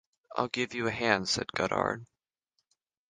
"I'll give you a hand," said Goddard.